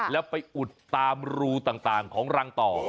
แล้วไปอุดตามรูต่างของรังต่อ